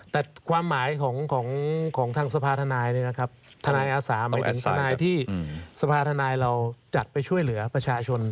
แต่ความหมายของทางสภาธนายเนี่ยนะครับทนายอาสาหมายถึงทนายที่สภาธนายเราจัดไปช่วยเหลือประชาชน